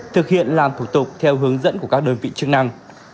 thực hiện làm thủ tục theo hướng dẫn của các đơn vị chức năng